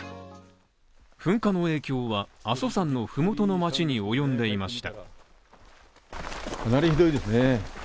噴火の影響は、阿蘇山の麓の町に及んでいました